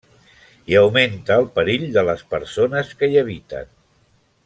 I augmenta el perill de les persones que hi habiten.